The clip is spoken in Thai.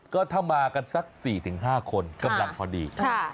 ก็ถ้ามากันสัก๔๕คนกำลังพอดี